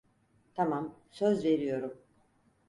Tamam, söz veriyorum.